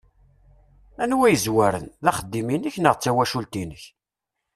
Anwa i yezwaren, d axeddim-inek neɣ d tawacult-inek?